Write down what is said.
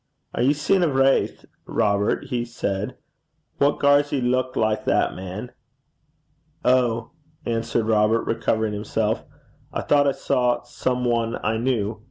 'Are ye seein' a vraith, Robert?' he said. 'What gars ye leuk like that, man?' 'Oh!' answered Robert, recovering himself, 'I thought I saw some one I knew.